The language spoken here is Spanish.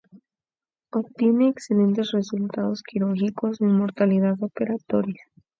Obtiene excelentes resultados quirúrgicos, sin mortalidad operatoria.